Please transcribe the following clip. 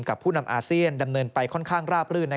ผู้นำอาเซียนดำเนินไปค่อนข้างราบรื่น